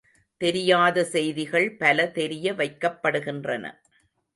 தெரியாத செய்திகள் பல தெரிய வைக்கப்படுகின்றன.